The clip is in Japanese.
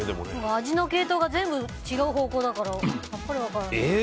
味の系統が全部違う方向だからさっぱり分からない。